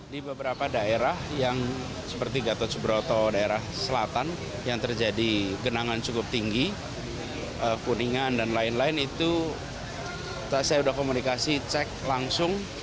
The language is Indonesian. di beberapa daerah yang seperti gatot subroto daerah selatan yang terjadi genangan cukup tinggi kuningan dan lain lain itu saya sudah komunikasi cek langsung